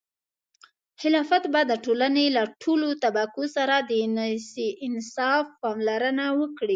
خلافت به د ټولنې له ټولو طبقو سره د انصاف پاملرنه وکړي.